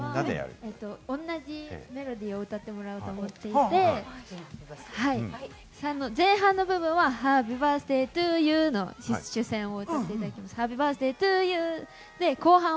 同じメロディーを歌ってもらおうと思っていて、前半の部分はハッピーバースデートゥーユーの主線を歌っていただきます。